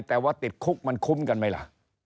แต่ว่าติดคุกมันคุ้มกันไหมล่ะ